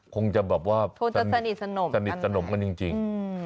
คงจะแบบว่าสนิทสนมกันจริง